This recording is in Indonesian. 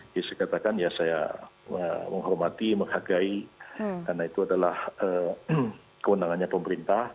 dia katakan ya saya menghormati menghargai karena itu adalah kewenangannya pemerintah